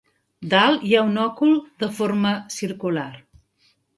Dalt hi ha un òcul de forma circular.